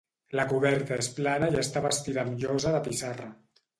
La coberta és plana i està bastida amb llosa de pissarra.